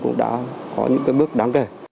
cũng đã có những bước đáng kể